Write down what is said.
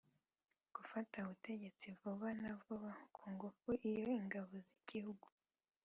gufata ubutegetsi vuba na vuba ku ngufu iyo ingabo z'igihugu